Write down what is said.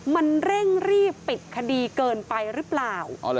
มันเร่งรีบปิดคดีเกินไปหรือเปล่า